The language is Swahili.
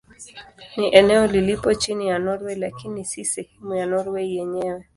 Ni eneo lililopo chini ya Norwei lakini si sehemu ya Norwei yenyewe.